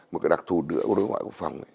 một đặc thù nữa của đối ngoại quốc phòng